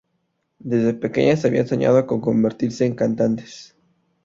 Desde pequeñas habían soñado con convertirse en cantantes.